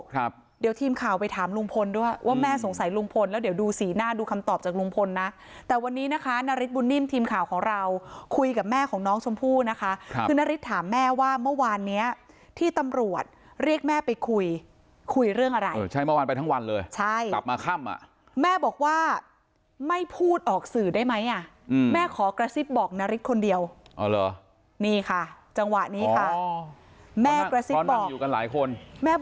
ครับเดี๋ยวทีมข่าวไปถามลุงพลด้วยว่าแม่สงสัยลุงพลแล้วเดี๋ยวดูสีหน้าดูคำตอบจากลุงพลนะแต่วันนี้นะคะนาริตบุนนิ่มทีมข่าวของเราคุยกับแม่ของน้องชมพู่นะคะคือนาริตถามแม่ว่าเมื่อวานเนี้ยที่ตำรวจเรียกแม่ไปคุยคุยเรื่องอะไรใช่เมื่อวานไปทั้งวันเลยใช่กลับมาค่ำอ่ะแม่บอกว่าไม่พูดออกสื่อได้ไหมอ